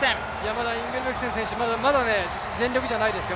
まだインゲブリクセン選手、全力じゃないですよ。